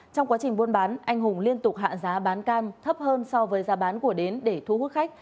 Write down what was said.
trong quá trình buôn bán anh hùng liên tục hạ giá bán cam thấp hơn so với giá bán của đến để thu hút khách